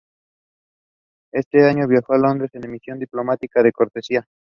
Ese año viajó a Londres en misión diplomática de cortesía.